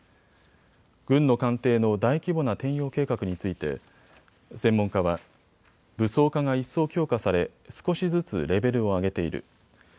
軍の艦艇の大規模な転用計画について専門家は武装化が一層強化され少しずつレベルを上げている。